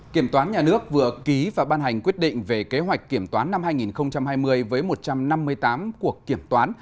kiểm toán nhà nước vừa ký và ban hành quyết định về kế hoạch kiểm toán năm hai nghìn hai mươi với một trăm năm mươi tám cuộc kiểm toán